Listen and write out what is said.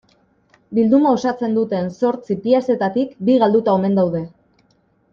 Bilduma osatzen duten zortzi piezetatik bi galduta omen daude.